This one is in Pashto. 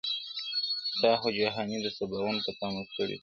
تا خو جهاني د سباوون په تمه ستړي کړو،